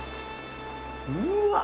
うわっ！